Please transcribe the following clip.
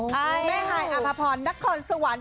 แม่ไห่อภพรนักคลสวรรค์